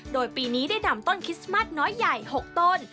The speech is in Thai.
โดยปีนี้ได้นำต้นคริสต์มัสน้อยใหญ่๖ต้น